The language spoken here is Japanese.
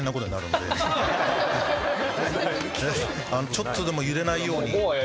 ちょっとでも揺れないように。